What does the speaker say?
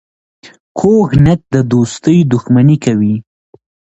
کوږ نیت د دوستۍ دښمني کوي